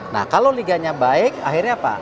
nah kalau liganya baik akhirnya apa